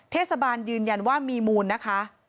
เทศบาลยืนยันว่ามีมูลนะคะ